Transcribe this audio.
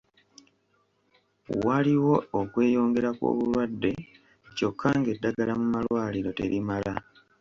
Waliwo okweyongera kw'obulwadde kyokka ng'eddagala mu malwaliro terimala.